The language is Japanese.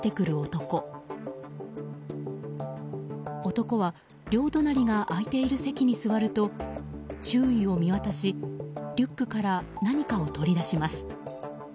男は両隣が空いている席に座ると周囲を見渡しリュックから何かを取り出します。